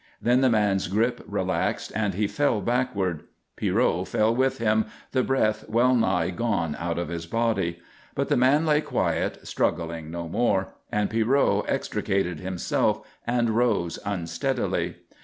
Then the man's grip relaxed and he fell backward. Pierrot fell with him, the breath well nigh gone out of his body. But the man lay quiet, struggling no more, and Pierrot extricated himself and rose unsteadily.